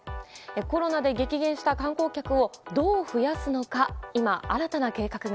コロナで激減した観光客をどう増やすのか、今新たな計画が。